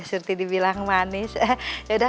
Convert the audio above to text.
bisurti dibilang manis eh